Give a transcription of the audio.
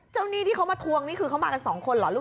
เจ้านี่ที่เขามาทวงนี่คือเขามากัน๒คนเหรอ